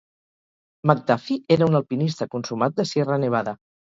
McDuffie era un alpinista consumat de Sierra Nevada.